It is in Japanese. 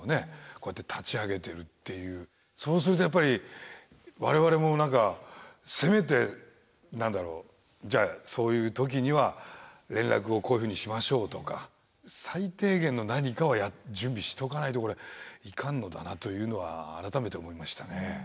そうするとやっぱり我々も何かせめて何だろうじゃあそういう時には連絡をこういうふうにしましょうとか最低限の何かは準備しとかないといかんのだなというのは改めて思いましたね。